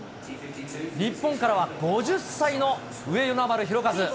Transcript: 日本からは５０歳の上与那原寛和。